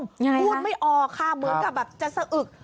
พูดไม่ออกค่ะเหมือนกับแบบจะสะอึก